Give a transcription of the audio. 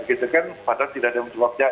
itu kan padahal tidak ada yang menyebabkan